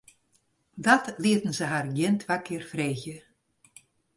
Dat lieten se har gjin twa kear freegje.